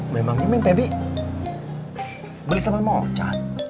memang neng pebri beli sama moca